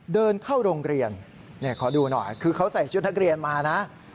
เดินเข้าโรงเรียน